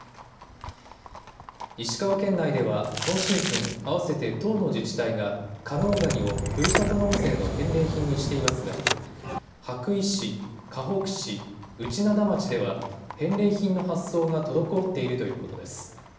石川県内では、今シーズン、合わせて１０の自治体が、加能ガニをふるさと納税の返礼品にしていますが、羽咋市、かほく市、内灘町では、返礼品の発送が滞っているということです。